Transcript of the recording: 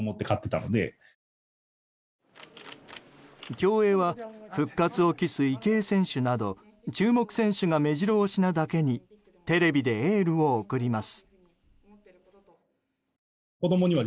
競泳は復活を期す池江選手など注目選手が目白押しなだけにテレビでエールを送ります。